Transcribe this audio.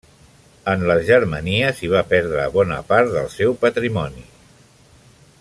En les Germanies hi va perdre bona part del seu patrimoni.